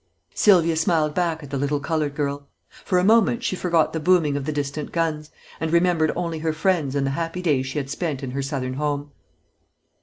Sylvia smiled back at the little colored girl. For a moment she forgot the booming of the distant guns, and remembered only her friends and the happy days she had spent in her southern home.